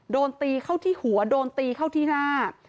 โดนตีเข้าที่หัวโดนตีเข้าที่หน้า